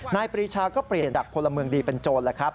นายปรีชาก็เปลี่ยนจักรพลเมืองดีเป็นโจทย์